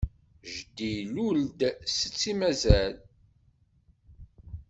Jeddi ilul-d, setti mazal.